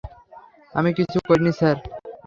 আমি কিছু করিনি, স্যার।